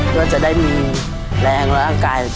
เพื่อจะได้มีแรงร่างกาย